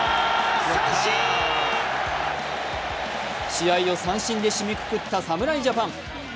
試合を三振で締めくくった侍ジャパン。